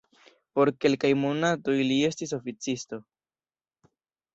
Por kelkaj monatoj li estis oficisto.